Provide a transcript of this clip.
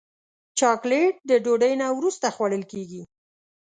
چاکلېټ د ډوډۍ نه وروسته خوړل کېږي.